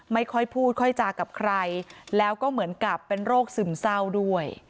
ไม่ค่อยพูดค่อยจากับใครแล้วก็เหมือนกับเป็นโรคซึมเศร้าด้วย